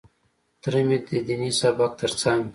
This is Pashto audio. تره مې د ديني سبق تر څنګ.